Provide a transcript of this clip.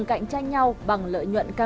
ví dụ như là